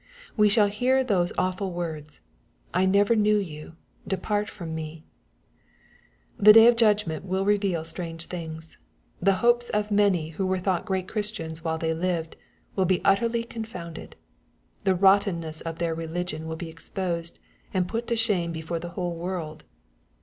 We shall hear those awful words, " I never knew you : depart from me/' The day of judgment will reveal strange things. The hopes of many, who were thought great Christians while they lived, will be utterly confounded. The rottenness of their religion will be exposed and put to shame before the whole world.